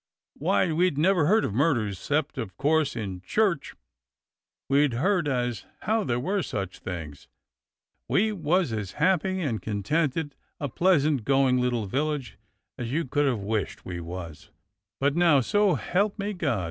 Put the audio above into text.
WTiy, we'd never heard of murders, except, of course, in church 144 DOCTOR SYN we'd heard as how there was such things. We was as happy and contented a pleasant going Httle village as you could have wished, we was; but now, so help me God